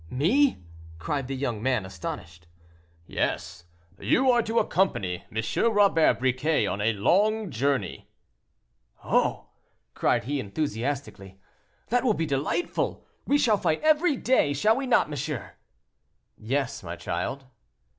"Me!" cried the young man, astonished. "Yes, you are to accompany M. Robert Briquet on a long journey." "Oh!" cried he, enthusiastically, "that will be delightful. We shall fight every day—shall we not, monsieur?" "Yes, my child."